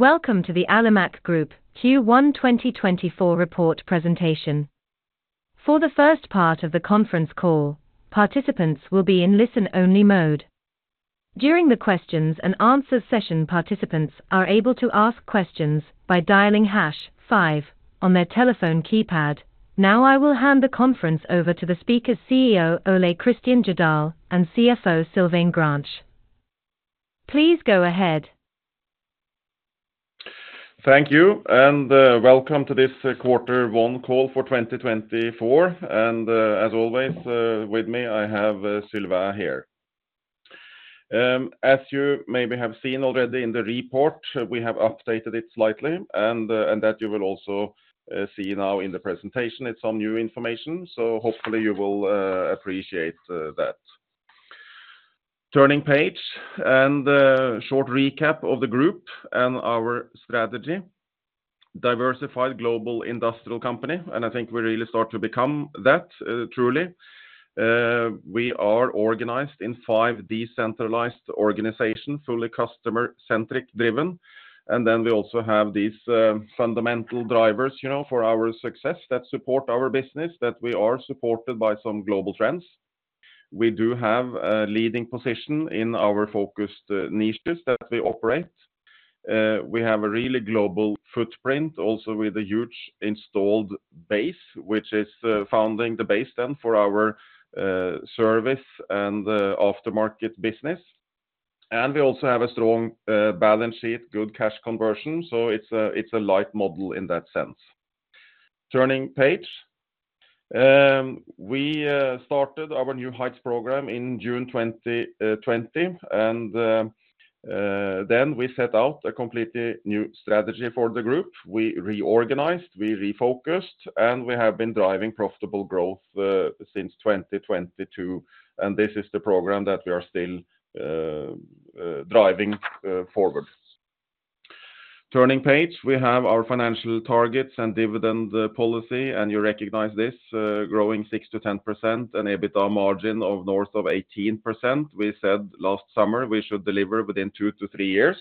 Welcome to the Alimak Group Q1 2024 report presentation. For the first part of the conference call, participants will be in listen-only mode. During the questions-and-answers session, participants are able to ask questions by dialing #5 on their telephone keypad. Now I will hand the conference over to the speakers, CEO Ole Kristian Jødahl and CFO Sylvain Grange. Please go ahead. Thank you, and welcome to this Q1 call for 2024. As always, with me I have Sylvain here. As you maybe have seen already in the report, we have updated it slightly, and that you will also see now in the presentation. It's some new information, so hopefully you will appreciate that. Turning page and short recap of the group and our strategy: diversified global industrial company, and I think we really start to become that, truly. We are organized in five decentralized organizations, fully customer-centric, driven. We also have these fundamental drivers for our success that support our business, that we are supported by some global trends. We do have a leading position in our focused niches that we operate. We have a really global footprint, also with a huge installed base, which is founding the base then for our service and aftermarket business. We also have a strong balance sheet, good cash conversion, so it's a light model in that sense. Turning page. We started our New Heights program in June 2020, and then we set out a completely new strategy for the group. We reorganized, we refocused, and we have been driving profitable growth since 2022. And this is the program that we are still driving forward. Turning page. We have our financial targets and dividend policy, and you recognize this: growing 6% to 10%, an EBITDA margin north of 18%. We said last summer we should deliver within 2-3 years.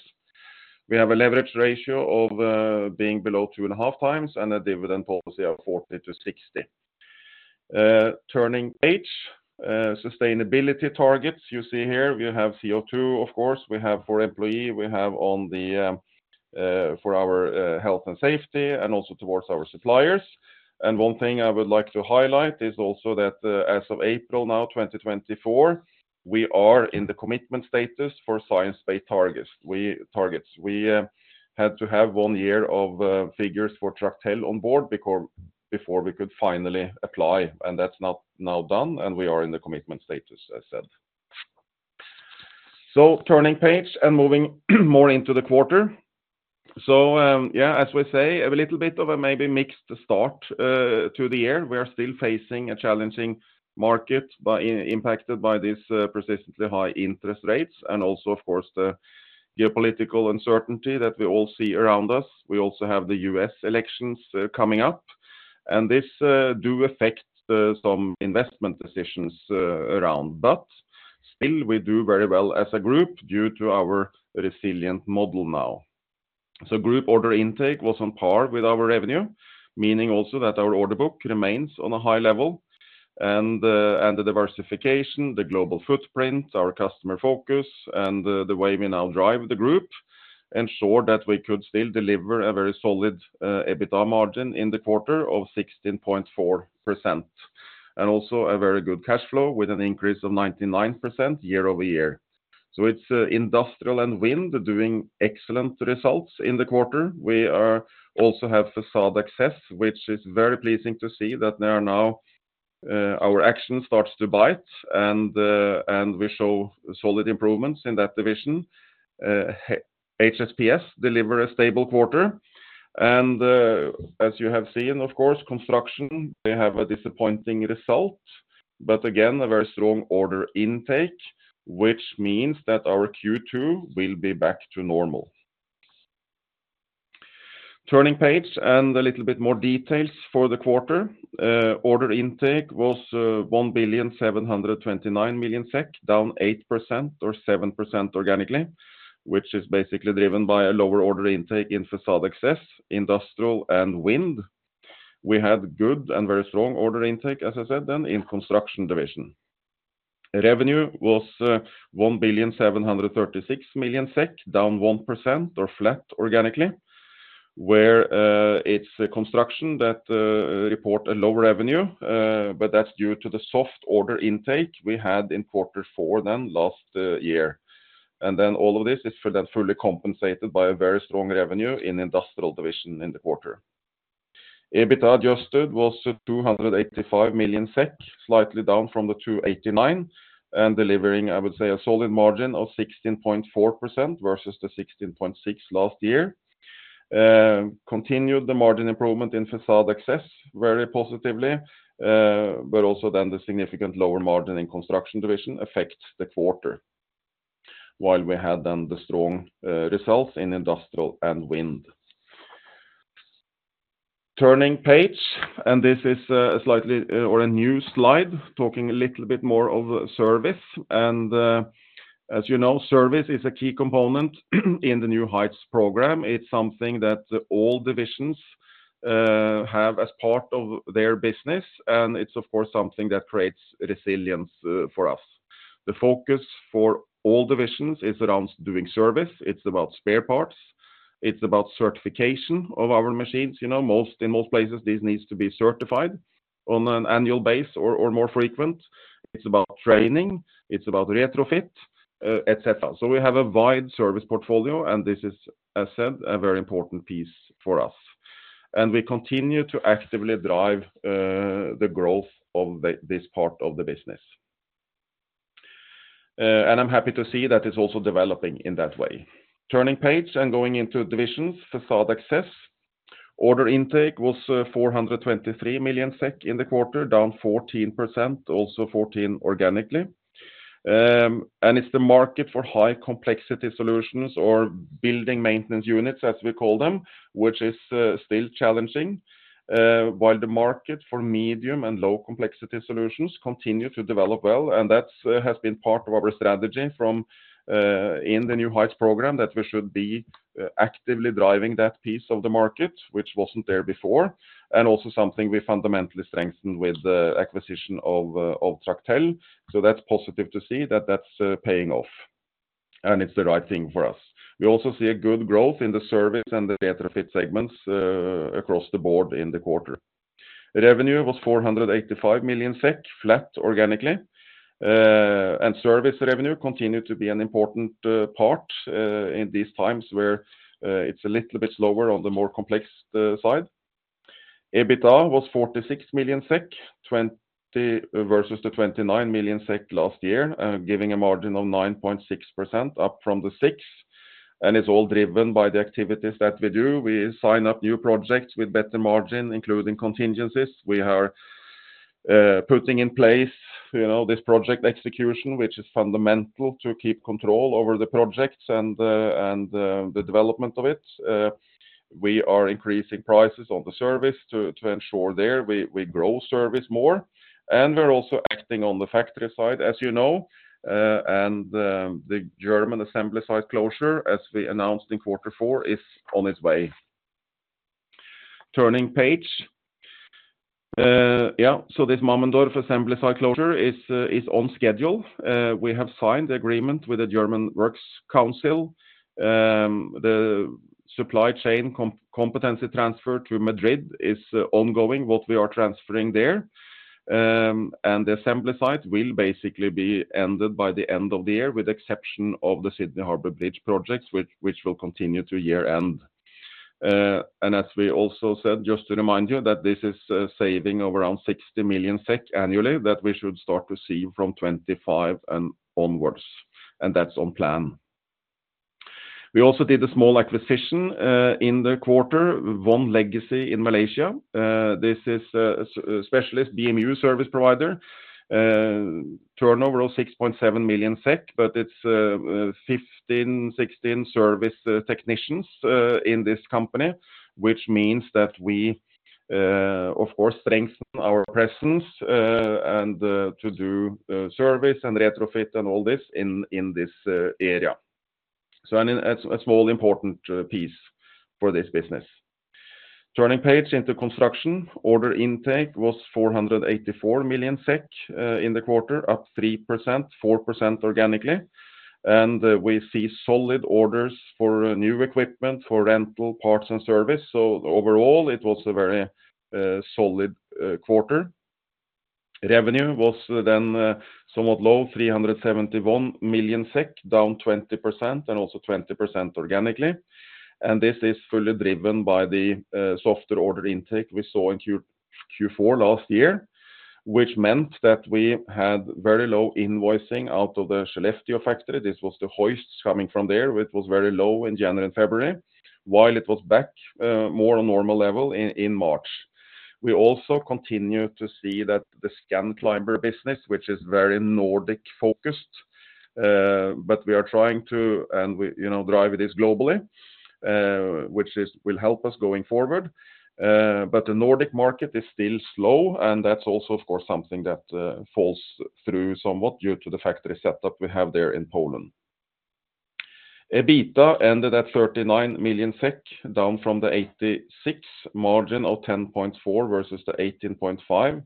We have a leverage ratio of being below 2.5x and a dividend policy of 40% to 60%. Turning page. Sustainability targets. You see here we have CO2, of course. We have for employee. We have for our health and safety and also towards our suppliers. One thing I would like to highlight is also that as of April now, 2024, we are in the commitment status for science-based targets. We had to have one year of figures for Tractel on board before we could finally apply, and that's not now done, and we are in the commitment status, as said. So turning page and moving more into the quarter. So yeah, as we say, a little bit of a maybe mixed start to the year. We are still facing a challenging market impacted by these persistently high interest rates and also, of course, the geopolitical uncertainty that we all see around us. We also have the U.S. elections coming up, and this do affect some investment decisions around. But still, we do very well as a group due to our resilient model now. So group order intake was on par with our revenue, meaning also that our order book remains on a high level. And the diversification, the global footprint, our customer focus, and the way we now drive the group ensured that we could still deliver a very solid EBITDA margin in the quarter of 16.4% and also a very good cash flow with an increase of 99% year-over-year. So it's industrial and wind doing excellent results in the quarter. We also have facade access, which is very pleasing to see that now our action starts to bite, and we show solid improvements in that division. HSPs deliver a stable quarter. As you have seen, of course, construction, they have a disappointing result, but again, a very strong order intake, which means that our Q2 will be back to normal. Turning page and a little bit more details for the quarter. Order intake was 1.729 billion SEK, down 8% or 7% organically, which is basically driven by a lower order intake in facade access, industrial, and wind. We had good and very strong order intake, as I said, then in construction division. Revenue was 1.736 billion SEK, down 1% or flat organically, where it's construction that report a low revenue, but that's due to the soft order intake we had in quarter four then last year. And then all of this is then fully compensated by a very strong revenue in industrial division in the quarter. EBITDA adjusted was 285 million SEK, slightly down from the 289 million and delivering, I would say, a solid margin of 16.4% versus the 16.6% last year. Continued the margin improvement in facade access very positively, but also then the significant lower margin in construction division affects the quarter while we had then the strong results in Industrial and Wind. Turning page. This is a slightly or a new slide talking a little bit more of service. And as you know, service is a key component in the New Heights program. It's something that all divisions have as part of their business, and it's, of course, something that creates resilience for us. The focus for all divisions is around doing service. It's about spare parts. It's about certification of our machines. In most places, this needs to be certified on an annual basis or more frequent. It's about training. It's about retrofit, et cetera. So we have a wide service portfolio, and this is, as said, a very important piece for us. We continue to actively drive the growth of this part of the business. I'm happy to see that it's also developing in that way. Turning page and going into divisions, facade access. Order intake was 423 million SEK in the quarter, down 14%, also 14% organically. It's the market for high complexity solutions or building maintenance units, as we call them, which is still challenging, while the market for medium and low complexity solutions continues to develop well. That has been part of our strategy from the New Heights program that we should be actively driving that piece of the market, which wasn't there before, and also something we fundamentally strengthened with the acquisition of Tractel. That's positive to see that that's paying off, and it's the right thing for us. We also see a good growth in the service and the retrofit segments across the board in the quarter. Revenue was 485 million SEK, flat organically. Service revenue continued to be an important part in these times where it's a little bit slower on the more complex side. EBITDA was 46 million SEK versus the 29 million SEK last year, giving a margin of 9.6%, up from the 6%. It's all driven by the activities that we do. We sign up new projects with better margin, including contingencies. We are putting in place this project execution, which is fundamental to keep control over the projects and the development of it. We are increasing prices on the service to ensure there we grow service more. And we're also acting on the factory side, as you know, and the German assembly site closure, as we announced in quarter four, is on its way. Turning page. Yeah, so this Mammendorf assembly site closure is on schedule. We have signed the agreement with the German Works Council. The supply chain competency transfer to Madrid is ongoing, what we are transferring there. And the assembly site will basically be ended by the end of the year, with the exception of the Sydney Harbour Bridge projects, which will continue to year-end. And as we also said, just to remind you that this is saving of around 60 million SEK annually that we should start to see from 2025 and onwards, and that's on plan. We also did a small acquisition in the quarter, One Legacy in Malaysia. This is a specialist BMU service provider. Turnover of 6.7 million SEK, but it's 15, 16 service technicians in this company, which means that we, of course, strengthen our presence and to do service and retrofit and all this in this area. So a small important piece for this business. Turning page into construction. Order intake was 484 million SEK in the quarter, up 3%, 4% organically. We see solid orders for new equipment, for rental parts and service. So overall, it was a very solid quarter. Revenue was then somewhat low, 371 million SEK, down 20% and also 20% organically. This is fully driven by the softer order intake we saw in Q4 last year, which meant that we had very low invoicing out of the Skellefteå factory. This was the hoists coming from there, which was very low in January and February, while it was back more on normal level in March. We also continue to see that the Scanclimber business, which is very Nordic-focused, but we are trying to drive this globally, which will help us going forward. But the Nordic market is still slow, and that's also, of course, something that falls through somewhat due to the factory setup we have there in Poland. EBITDA ended at 39 million SEK, down from 86 million with margin of 10.4% versus the 18.5%.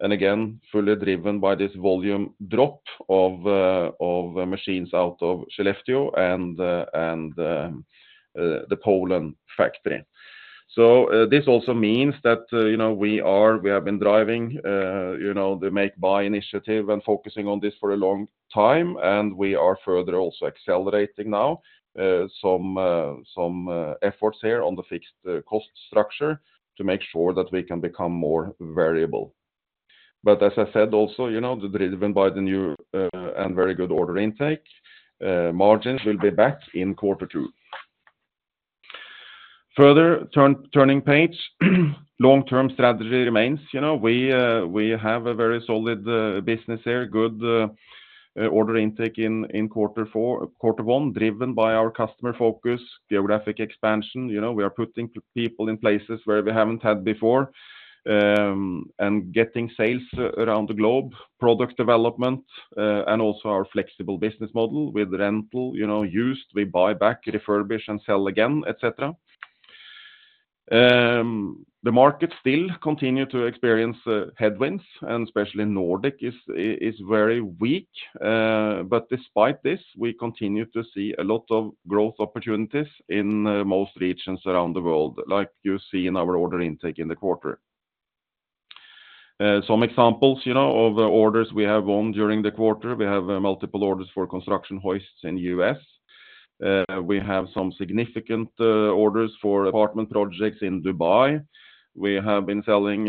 And again, fully driven by this volume drop of machines out of Skellefteå and the Poland factory. So this also means that we have been driving the make-buy initiative and focusing on this for a long time, and we are further also accelerating now some efforts here on the fixed cost structure to make sure that we can become more variable. But as I said also, driven by the new and very good order intake, margins will be back in quarter two. Further turning page. Long-term strategy remains. We have a very solid business here, good order intake in quarter four, quarter one, driven by our customer focus, geographic expansion. We are putting people in places where we haven't had before and getting sales around the globe, product development, and also our flexible business model with rental, used, we buy back, refurbish, and sell again, et cetera. The market still continues to experience headwinds, and especially Nordic is very weak. But despite this, we continue to see a lot of growth opportunities in most regions around the world, like you see in our order intake in the quarter. Some examples of orders we have won during the quarter. We have multiple orders for construction hoists in the U.S. We have some significant orders for apartment projects in Dubai. We have been selling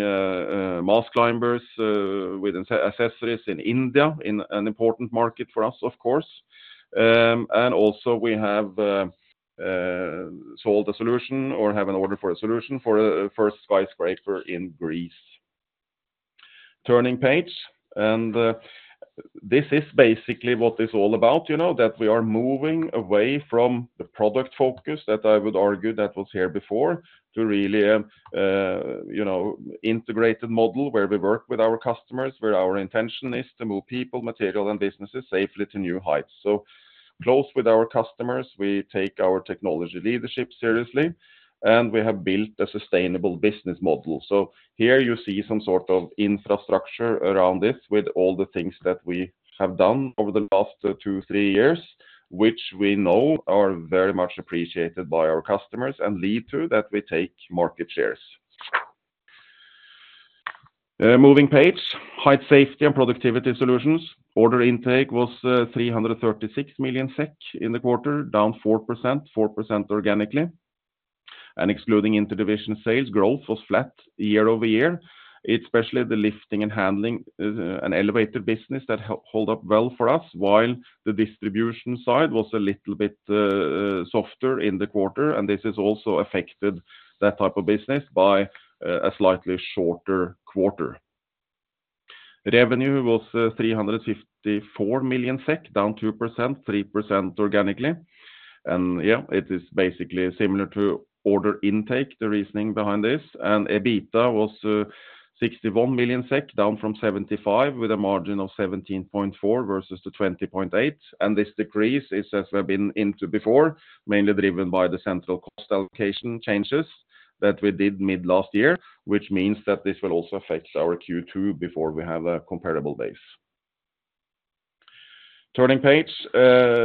mast climbers with accessories in India, an important market for us, of course. And also, we have sold a solution or have an order for a solution for a first skyscraper in Greece. Turning page. This is basically what it's all about, that we are moving away from the product focus that I would argue that was here before to really an integrated model where we work with our customers, where our intention is to move people, material, and businesses safely to new heights. So close with our customers, we take our technology leadership seriously, and we have built a sustainable business model. So here you see some sort of infrastructure around this with all the things that we have done over the last two, three years, which we know are very much appreciated by our customers and lead to that we take market shares. Moving page. Height safety and productivity solutions. Order intake was 336 million SEK in the quarter, down 4%, 4% organically. And excluding interdivision sales, growth was flat year-over-year, especially the lifting and handling, an elevated business that held up well for us, while the distribution side was a little bit softer in the quarter. And this has also affected that type of business by a slightly shorter quarter. Revenue was 354 million SEK, down 2%, 3% organically. And yeah, it is basically similar to order intake, the reasoning behind this. And EBITDA was 61 million SEK, down from 75 million with a margin of 17.4% versus the 20.8%. And this decrease is, as we've been into before, mainly driven by the central cost allocation changes that we did mid last year, which means that this will also affect our Q2 before we have a comparable base. Turning page,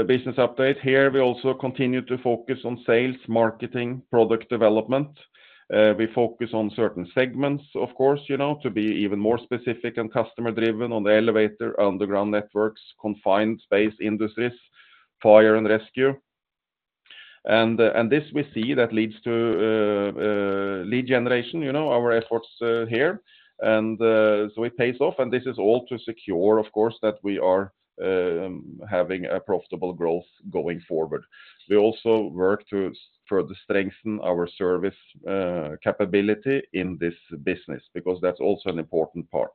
business update. Here, we also continue to focus on sales, marketing, product development. We focus on certain segments, of course, to be even more specific and customer-driven on the elevator, underground networks, confined space industries, fire and rescue. And this we see that leads to lead generation, our efforts here. And so it pays off. And this is all to secure, of course, that we are having a profitable growth going forward. We also work to further strengthen our service capability in this business because that's also an important part.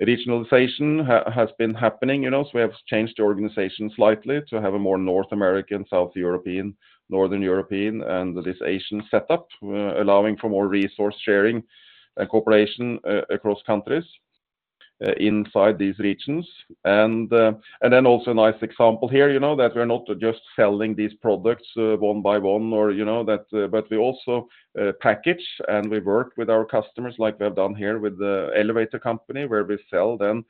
Regionalization has been happening. So we have changed the organization slightly to have a more North American, South European, Northern European, and this Asian setup, allowing for more resource sharing and cooperation across countries inside these regions. And then also a nice example here that we're not just selling these products one by one or that, but we also package and we work with our customers like we have done here with the elevator company where we sell then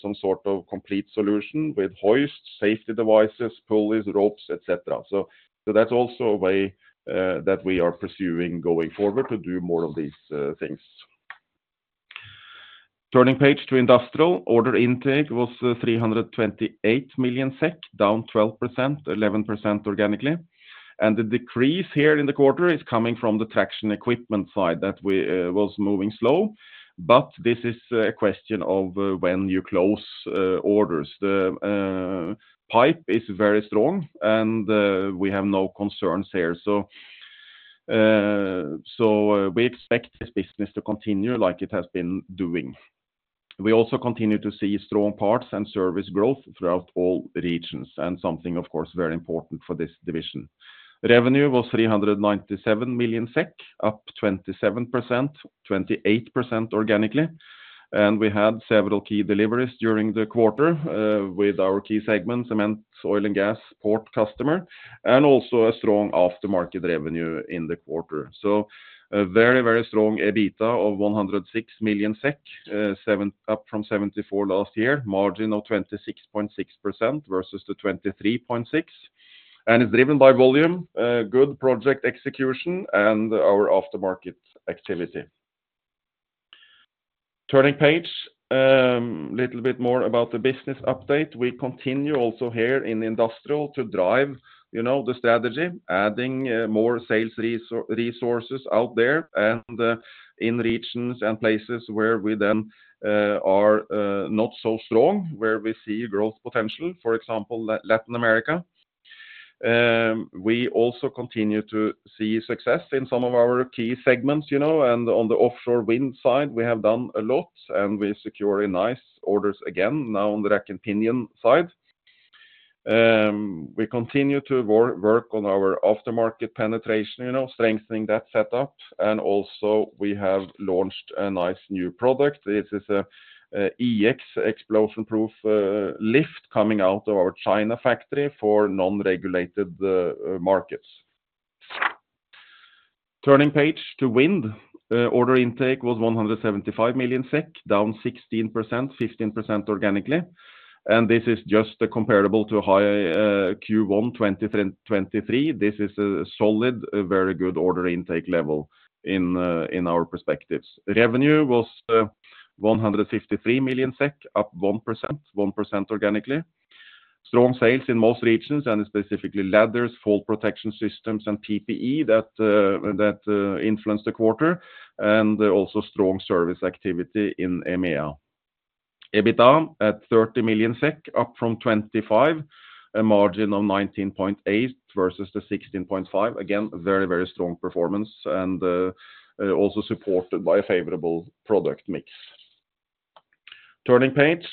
some sort of complete solution with hoists, safety devices, pulleys, ropes, et cetera. So that's also a way that we are pursuing going forward to do more of these things. Turning page to industrial. Order intake was 328 million SEK, down 12%, 11% organically. And the decrease here in the quarter is coming from the traction equipment side that was moving slow. But this is a question of when you close orders. The pipe is very strong, and we have no concerns here. So we expect this business to continue like it has been doing. We also continue to see strong parts and service growth throughout all regions and something, of course, very important for this division. Revenue was 397,000,000 SEK, up 27%, 28% organically. And we had several key deliveries during the quarter with our key segments, cement, oil, and gas, port customer, and also a strong aftermarket revenue in the quarter. So a very, very strong EBITDA of 106 million SEK, up from 74% last year, margin of 26.6% versus the 23.6%. And it's driven by volume, good project execution, and our aftermarket activity. Turning page. A little bit more about the business update. We continue also here in industrial to drive the strategy, adding more sales resources out there and in regions and places where we then are not so strong, where we see growth potential, for example like Latin America. We also continue to see success in some of our key segments. On the offshore wind side, we have done a lot, and we're securing nice orders again now on the rack and pinion side. We continue to work on our aftermarket penetration, strengthening that setup. Also, we have launched a nice new product. This is an EX explosion-proof lift coming out of our China factory for non-regulated markets. Turning page to wind. Order intake was 175 million SEK, down 16%, 15% organically. And this is just comparable to high Q1 2023. This is a solid, very good order intake level in our perspectives. Revenue was 153 million SEK, up 1%, 1% organically. Strong sales in most regions and specifically ladders, fall protection systems, and PPE that influenced the quarter, and also strong service activity in EMEA. EBITDA at 30 million SEK, up from 25%, a margin of 19.8% versus the 16.5%. Again, very, very strong performance and also supported by a favorable product mix. Turning page.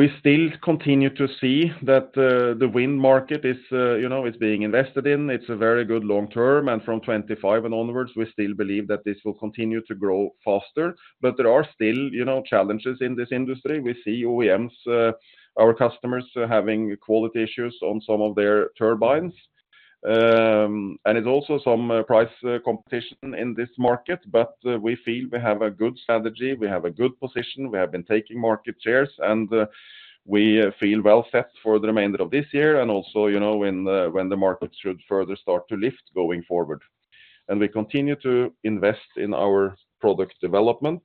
We still continue to see that the wind market is being invested in. It's a very good long term. And from 25% and onwards, we still believe that this will continue to grow faster. But there are still challenges in this industry. We see OEMs, our customers, having quality issues on some of their turbines. And it's also some price competition in this market. But we feel we have a good strategy. We have a good position. We have been taking market shares. We feel well set for the remainder of this year and also when the market should further start to lift going forward. We continue to invest in our product development,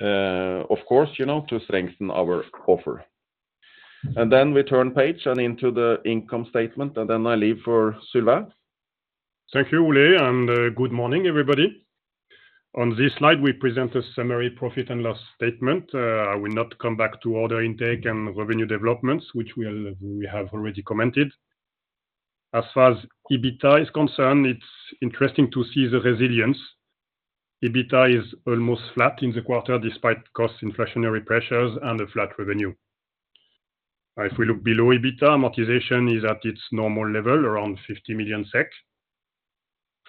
of course, to strengthen our offer. Then we turn page and into the income statement. Then I leave for Sylvain. Thank you, Ole, and good morning, everybody. On this slide, we present a summary profit and loss statement. I will not come back to order intake and revenue developments, which we have already commented. As far as EBITDA is concerned, it's interesting to see the resilience. EBITDA is almost flat in the quarter despite cost inflationary pressures and a flat revenue. If we look below EBITDA, amortization is at its normal level, around 50 million SEK.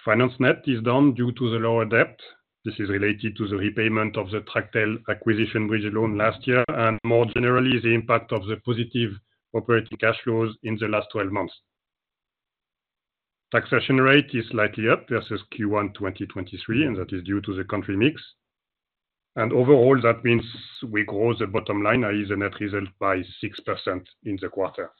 Finance net is down due to the lower debt. This is related to the repayment of the Tractel acquisition bridge loan last year and more generally the impact of the positive operating cash flows in the last 12 months. Taxation rate is slightly up versus Q1 2023, and that is due to the country mix. Overall, that means we grow the bottom line, i.e., the net result, by 6% in the quarter.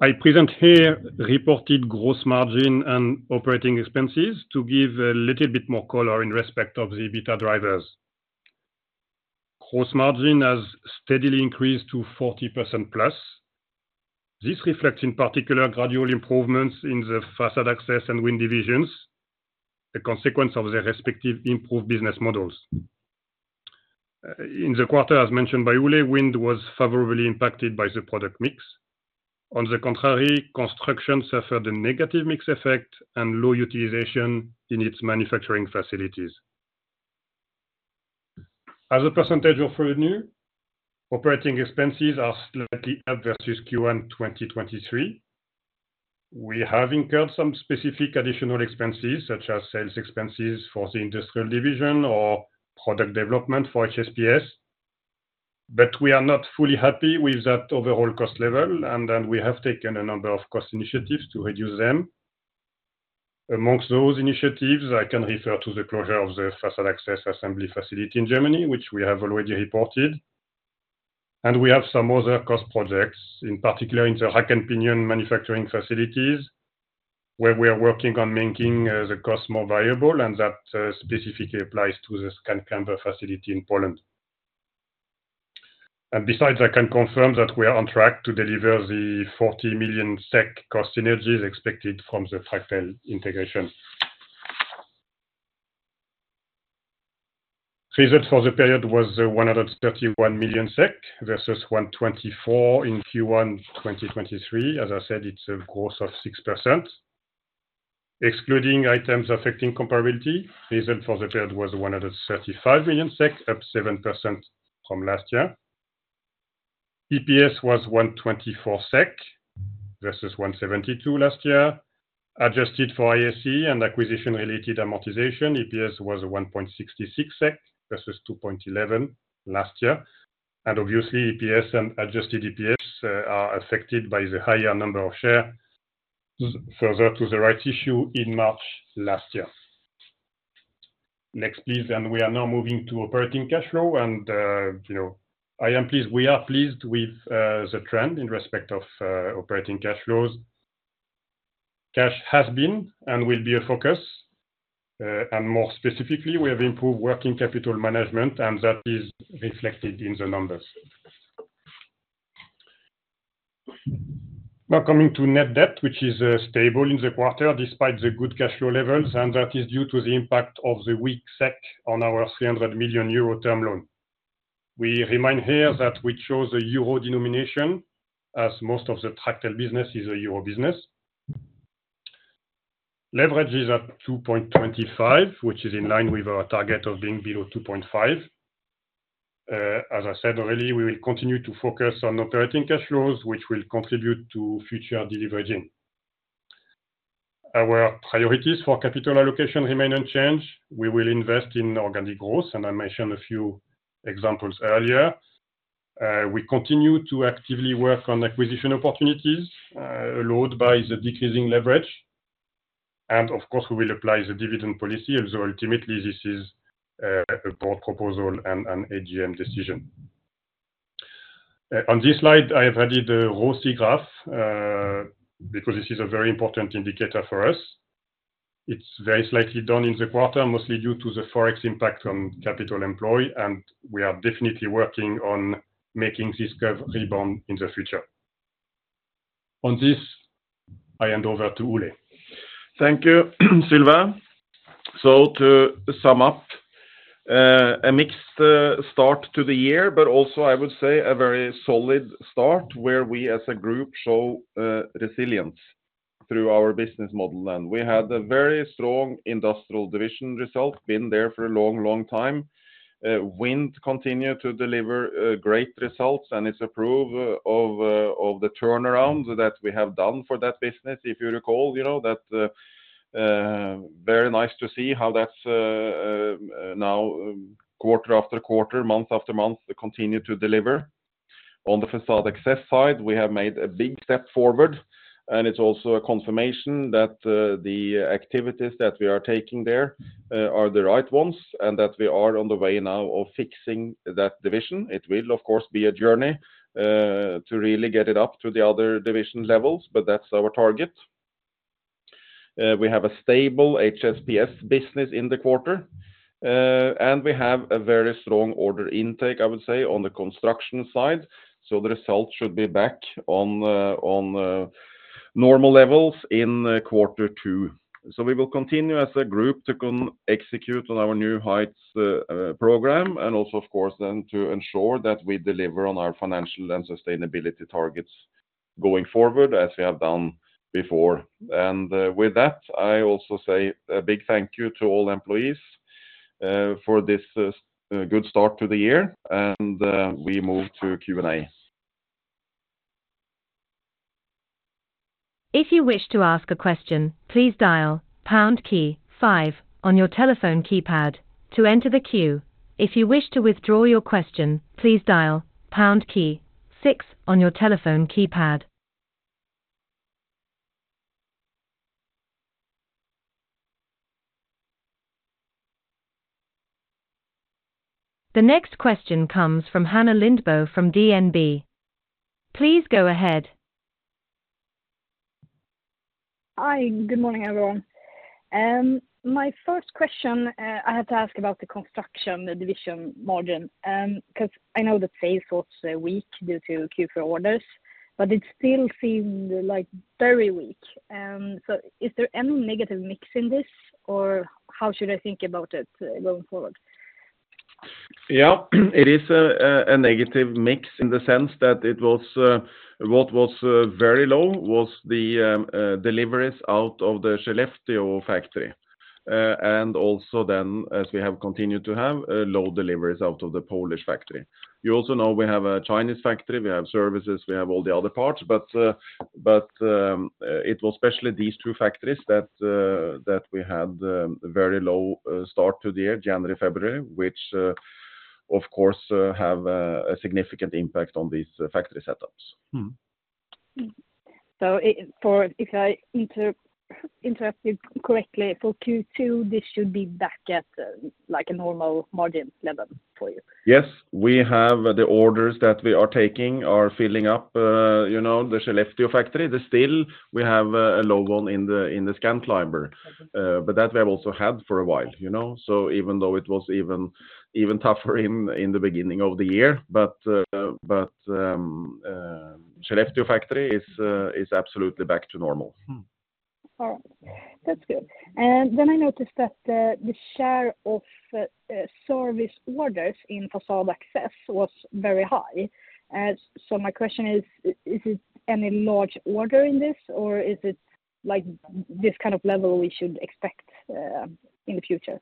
I present here reported gross margin and operating expenses to give a little bit more color in respect of the EBITDA drivers. Gross margin has steadily increased to 40%+. This reflects in particular gradual improvements in the facade access and wind divisions, a consequence of their respective improved business models. In the quarter, as mentioned by Ole, wind was favorably impacted by the product mix. On the contrary, construction suffered a negative mix effect and low utilization in its manufacturing facilities. As a percentage of revenue, operating expenses are slightly up versus Q1 2023. We have incurred some specific additional expenses such as sales expenses for the industrial division or product development for HSPs. But we are not fully happy with that overall cost level, and then we have taken a number of cost initiatives to reduce them. Among those initiatives, I can refer to the closure of the facade access assembly facility in Germany, which we have already reported. We have some other cost projects, in particular in the rack and pinion manufacturing facilities, where we are working on making the cost more viable, and that specifically applies to the Scanclimber facility in Poland. Besides, I can confirm that we are on track to deliver the 40 million SEK cost synergies expected from the Tractel integration. Result for the period was 131 million SEK versus 124 million in Q1 2023. As I said, it's a growth of 6%. Excluding items affecting comparability, result for the period was 135 million SEK, up 7% from last year. EPS was 1.24 SEK versus 1.72 SEK last year. Adjusted for IAC and acquisition-related amortization, EPS was 1.66 SEK versus 2.11 last year. And obviously, EPS and adjusted EPS are affected by the higher number of shares further to the rights issue in March last year. Next, please. And we are now moving to operating cash flow. And I am pleased. We are pleased with the trend in respect of operating cash flows. Cash has been and will be a focus. And more specifically, we have improved working capital management, and that is reflected in the numbers. Now coming to net debt, which is stable in the quarter despite the good cash flow levels, and that is due to the impact of the weak SEK on our 300 million euro term loan. We remind here that we chose a euro denomination as most of the Tractel business is a euro business. Leverage is at 2.25, which is in line with our target of being below 2.5. As I said earlier, we will continue to focus on operating cash flows, which will contribute to future deleveraging. Our priorities for capital allocation remain unchanged. We will invest in organic growth, and I mentioned a few examples earlier. We continue to actively work on acquisition opportunities loaded by the decreasing leverage. And of course, we will apply the dividend policy. Although ultimately, this is a board proposal and an AGM decision. On this slide, I have added the ROCE graph because this is a very important indicator for us. It's very slightly down in the quarter, mostly due to the forex impact on capital employed. We are definitely working on making this curve rebound in the future. On this, I hand over to Ole. Thank you, Sylvain. To sum up, a mixed start to the year, but also I would say a very solid start where we as a group show resilience through our business model. We had a very strong industrial division result, been there for a long, long time. Wind continued to deliver great results, and it's a proof of the turnaround that we have done for that business, if you recall, that very nice to see how that's now quarter after quarter, month-after-month, continue to deliver. On the facade access side, we have made a big step forward. It's also a confirmation that the activities that we are taking there are the right ones and that we are on the way now of fixing that division. It will, of course, be a journey to really get it up to the other division levels, but that's our target. We have a stable HSPs business in the quarter. We have a very strong order intake, I would say, on the construction side. The result should be back on normal levels in quarter two. We will continue as a group to execute on our New Heights program and also, of course, then to ensure that we deliver on our financial and sustainability targets going forward as we have done before. With that, I also say a big thank you to all employees for this good start to the year. We move to Q&A. If you wish to ask a question, please dial pound key five on your telephone keypad to enter the queue. If you wish to withdraw your question, please dial pound key six on your telephone keypad. The next question comes from Hanna Lindbo from DNB. Please go ahead. Hi. Good morning, everyone. My first question I have to ask about the construction division margin because I know that sales was weak due to Q4 orders, but it still seemed very weak. So is there any negative mix in this, or how should I think about it going forward? Yeah, it is a negative mix. In the sense that what was very low was the deliveries out of the Gniezno factory and also then, as we have continued to have, low deliveries out of the Polish factory. You also know we have a Chinese factory. We have services. We have all the other parts. But it was especially these two factories that we had a very low start to the year, January, February, which, of course, have a significant impact on these factory setups. Sorry if I interrupted you, for Q2, this should be back at a normal margin level for you? Yes. We have the orders that we are taking are filling up the Gniezno factory. We have a low one in the Scanclimber, but that we have also had for a while. So even though it was even tougher in the beginning of the year. But Gniezno factory is absolutely back to normal. All right. That's good. And then I noticed that the share of service orders in facade access was very high. So my question is, is it any large order in this, or is it this kind of level we should expect in the future?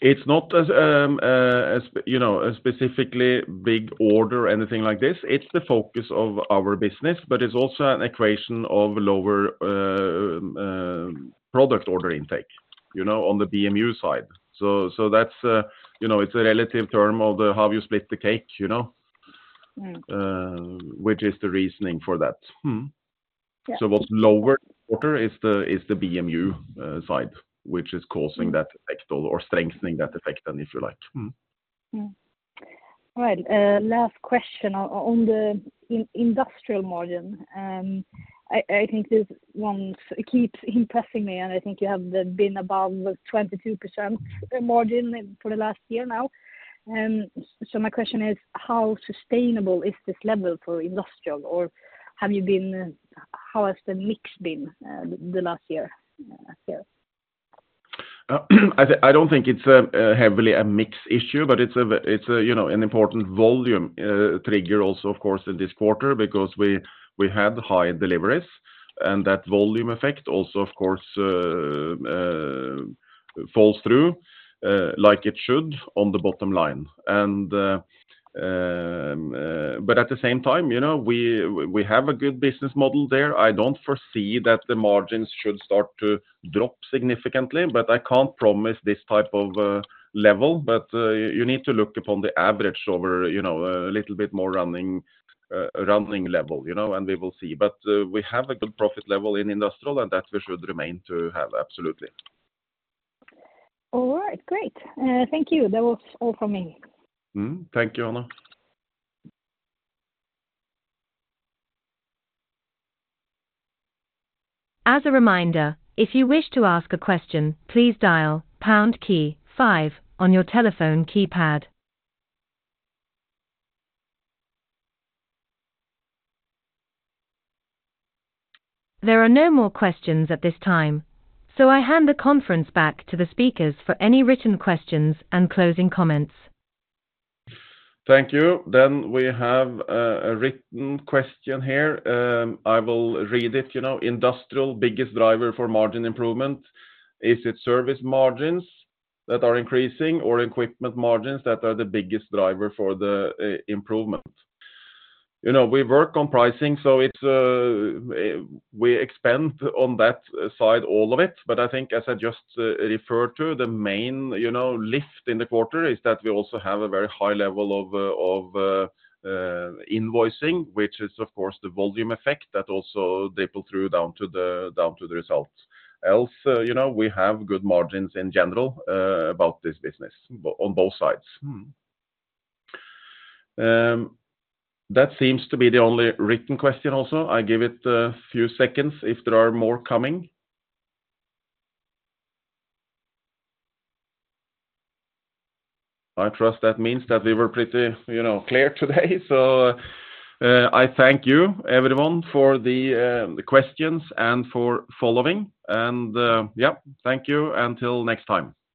It's not a specifically big order, anything like this. It's the focus of our business, but it's also an equation of lower product order intake on the BMU side. So it's a relative term of how you split the cake, which is the reasoning for that. So what's lower quarter is the BMU side, which is causing that effect or strengthening that effect, if you like. All right. Last question on the industrial margin. I think this one keeps impressing me, and I think you have been above 22% margin for the last year now. So my question is, how sustainable is this level for industrial, or how has the mix been the last year here? I don't think it's heavily a mix issue, but it's an important volume trigger also, of course, in this quarter because we had high deliveries. And that volume effect also, of course, falls through like it should on the bottom line. But at the same time, we have a good business model there. I don't foresee that the margins should start to drop significantly, but I can't promise this type of level. But you need to look upon the average over a little bit more running level, and we will see. But we have a good profit level in industrial, and that we should remain to have, absolutely. All right. Great. Thank you. That was all from me. Thank you, Hannah. As a reminder, if you wish to ask a question, please dial pound key five on your telephone keypad. There are no more questions at this time, so I hand the conference back to the speakers for any written questions and closing comments. Thank you. Then we have a written question here. I will read it. Industrial, biggest driver for margin improvement, is it service margins that are increasing or equipment margins that are the biggest driver for the improvement? We work on pricing, so we expand on that side all of it. But I think, as I just referred to, the main lift in the quarter is that we also have a very high level of invoicing, which is, of course, the volume effect that also ripples through down to the result. Else, we have good margins in general about this business on both sides. That seems to be the only written question also. I give it a few seconds if there are more coming. I trust that means that we were pretty clear today. So I thank you, everyone, for the questions and for following. And yeah, thank you. Until next time.